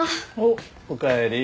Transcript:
おかえり。